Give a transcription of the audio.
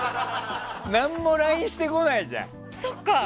何もＬＩＮＥしてこないじゃん！